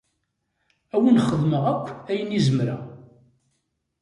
Ad awen-xedmeɣ akk ayen i zemreɣ.